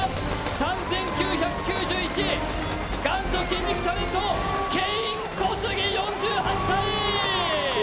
３９９１、元祖筋肉タレントケイン・コスギ４８歳。